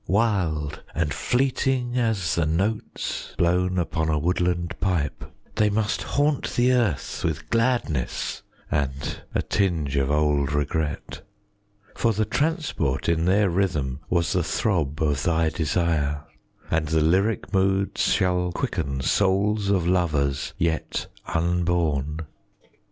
Wild and fleeting as the notes Blown upon a woodland pipe, 30 They must haunt the earth with gladness And a tinge of old regret. For the transport in their rhythm Was the throb of thy desire, And thy lyric moods shall quicken 35 Souls of lovers yet unborn.